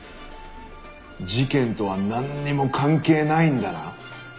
事件とはなんにも関係ないんだな？